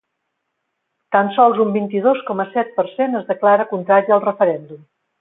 Tan sols un vint-i-dos coma set per cent es declara contrari al referèndum.